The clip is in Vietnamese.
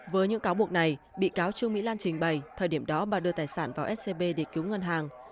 với những cáo buộc này bị cáo trương mỹ lan trình bày thời điểm đó bà đưa tài sản vào scb để cứu ngân hàng